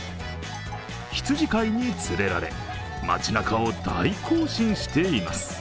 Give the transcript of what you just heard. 羊飼いに連れられ街なかを大行進しています。